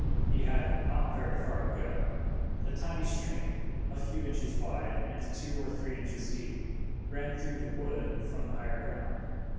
He had not very far to go. A tiny stream, a few inches wide and two or three inches deep, ran through the wood from the higher ground.